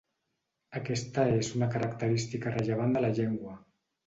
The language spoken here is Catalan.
Aquesta és una característica rellevant de la llengua.